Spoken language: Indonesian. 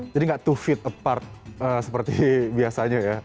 jadi nggak dua feet apart seperti biasanya ya